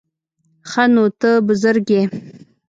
_ښه نو، ته بزرګ يې؟